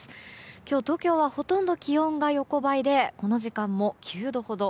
今日、東京はほとんど気温が横ばいでこの時間も９度ほど。